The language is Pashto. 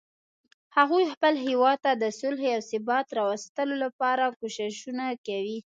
هغوی خپل هیواد ته د صلحې او ثبات راوستلو لپاره کوښښونه کوي